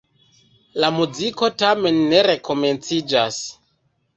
La muziko tamen ne rekomenciĝas.